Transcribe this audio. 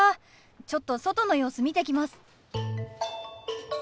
ちょっと外の様子見てきます。